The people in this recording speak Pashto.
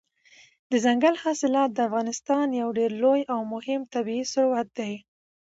دځنګل حاصلات د افغانستان یو ډېر لوی او مهم طبعي ثروت دی.